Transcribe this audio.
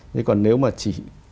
thế còn nếu mà chỉ